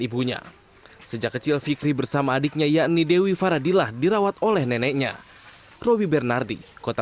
ibunya sejak kecil fikri bersama adiknya yakni dewi faradillah dirawat oleh neneknya roby bernardi kota